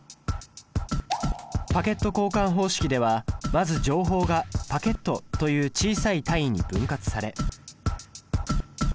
パケット交換方式ではまず情報がパケットという小さい単位に分割され。